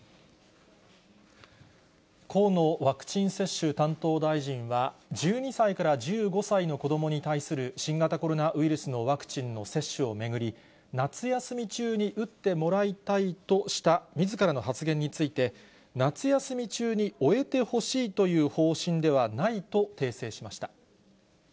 河野ワクチン接種担当大臣は、１２歳から１５歳の子どもに対する新型コロナウイルスのワクチンの接種を巡り、夏休み中に打ってもらいたいとしたみずからの発言について、夏休み中に終えてほしいという方針ではないと訂正しました。